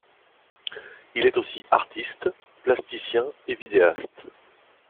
Il est aussi artiste, plasticien et vidéaste.